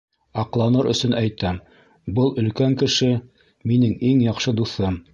Аҡланыр өсөн әйтәм: был өлкән кеше-минең иң яҡшы дуҫым.